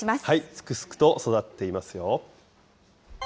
すくすくと育っていますよ。